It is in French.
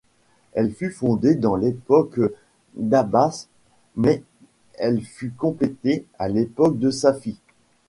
Elle fut fondée dans l'époque d'Abbas, mais elle fut complétée à l'époque de Safi.